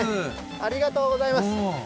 ありがとうございます。